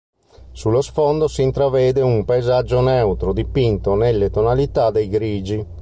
Sullo sfondo si intravede un paesaggio neutro, dipinto nelle tonalità dei grigi.